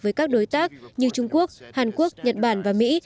với các đối tác như trung quốc hàn quốc nhật bản và mỹ